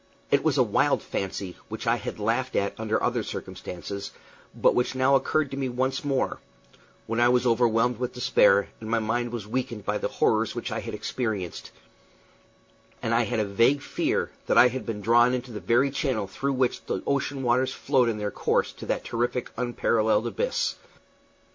It was a wild fancy, which I had laughed at under other circumstances, but which now occurred to me once more, when I was overwhelmed with despair, and my mind was weakened by the horrors which I had experienced; and I had a vague fear that I had been drawn into the very channel through which the ocean waters flowed in their course to that terrific, that unparalleled abyss.